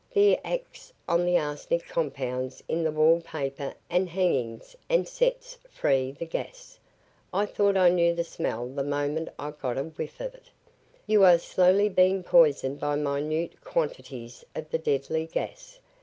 That acts on the arsenic compounds in the wall paper and hangings and sets free the gas. I thought I knew the smell the moment I got a whiff of it. You are slowly being poisoned by minute quantities of the deadly gas.